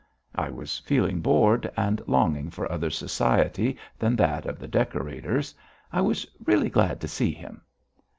I was feeling bored and longing for other society than that of the decorators. I was really glad to see him.